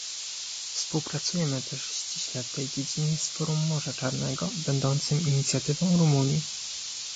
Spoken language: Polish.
Współpracujemy też ściśle w tej dziedzinie z Forum Morza Czarnego, będącym inicjatywą Rumunii